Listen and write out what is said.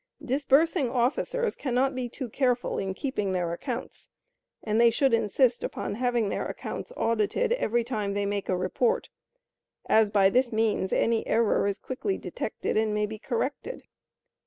Disbursing officers cannot be too careful in keeping their accounts, and they should insist upon having their accounts audited every time they make a report, as by this means any error is quickly detected and may be corrected.